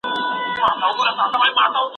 زوی په بازار کي پاته نه سو.